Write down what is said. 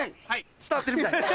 伝わってるみたいです。